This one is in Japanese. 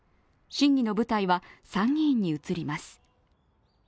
審議の舞台は参議院に移ります。